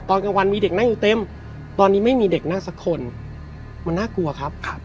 ตอนกลางวันมีเด็กนั่งอยู่เต็มตอนนี้ไม่มีเด็กนั่งสักคนมันน่ากลัวครับ